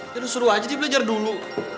ya udah suruh aja dia belajar dulu